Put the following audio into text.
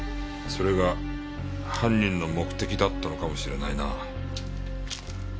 それが犯人の目的だったのかもしれないな。